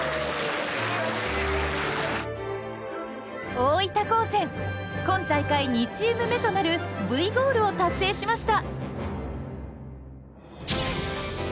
大分高専今大会２チーム目となるＶゴールを達成しました。